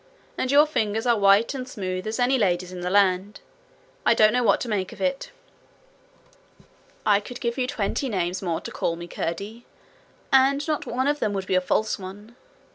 And your fingers are white and smooth as any lady's in the land. I don't know what to make of it.' 'I could give you twenty names more to call me, Curdie, and not one of them would be a false one.